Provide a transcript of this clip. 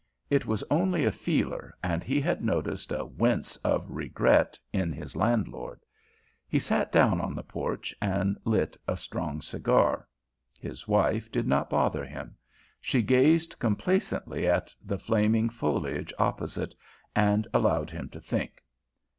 It was only a feeler, and he had noticed a wince of regret in his landlord. He sat down on the porch and lit a strong cigar. His wife did not bother him. She gazed complacently at the flaming foliage opposite, and allowed him to think.